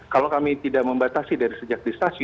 kalau kami tidak membatasi dari sejak di stasiun